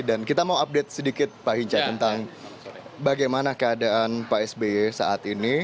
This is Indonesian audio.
dan kita mau update sedikit pak hinca tentang bagaimana keadaan pak sbi saat ini